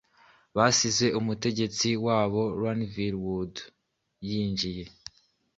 Basize umutegetsi waboRavenswood yinjiye